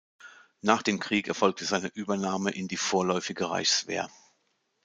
Nach dem Krieg erfolgte seine Übernahme in die Vorläufige Reichswehr.